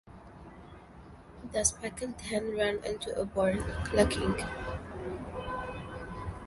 The speckled hen ran into a barn, clucking.